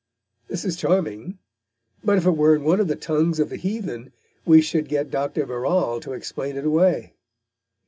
This is charming; but if it were in one of the tongues of the heathen we should get Dr. Verrall to explain it away.